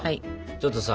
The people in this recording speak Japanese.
ちょっとさ